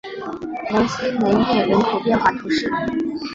蒙西雷涅人口变化图示